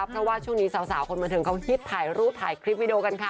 เพราะว่าช่วงนี้สาวคนบันเทิงเขาฮิตถ่ายรูปถ่ายคลิปวิดีโอกันค่ะ